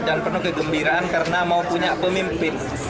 dan penuh kegembiraan karena mau punya pemimpin